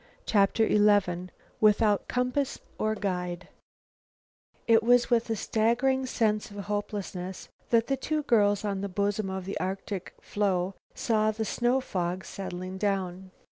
CHAPTER XI "WITHOUT COMPASS OR GUIDE" It was with a staggering sense of hopelessness that the two girls on the bosom of the Arctic floe saw the snow fog settle down.